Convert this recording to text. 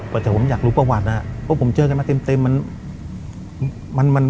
แต่ผมอยากรู้ประวัติอ่ะพวกผมเจอกันมาเต็มเต็มมันมันมัน